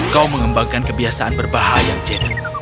kau mengembangkan kebiasaan berbahaya jack